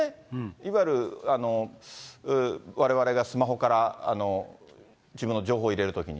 いわゆるわれわれがスマホから自分の情報入れるときに。